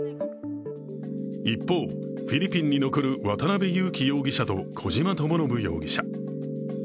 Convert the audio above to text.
一方、フィリピンに残る渡辺優樹容疑者と小島智信容疑者。